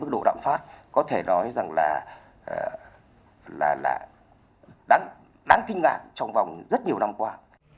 độ đạm phát có thể nói rằng là đáng kinh ngạc trong vòng rất nhiều năm qua